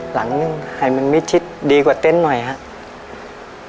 หลังนึงให้มันมิดชิดดีกว่าเต้นหน่อยครับ